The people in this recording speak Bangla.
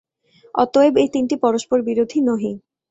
অতএব এই তিনটি পরস্পর-বিরোধী নহে।